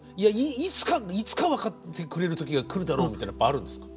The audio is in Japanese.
いつかいつか分かってくれる時が来るだろうみたいのはやっぱあるんですか？